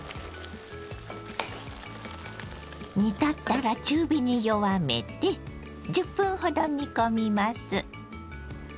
煮立ったら中火に弱めて１０分ほど煮込みます。